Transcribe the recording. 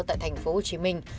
tại thành phố hồ chí minh